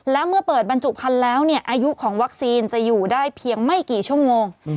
และเมื่อเปิดบรรจุพันธุ์แล้วอายุของวัคซีนจะอยู่ได้เพียงไม่กี่ชั่วโมง